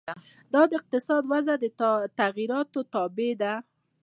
دا د اقتصادي اوضاع د تغیراتو تابع ده.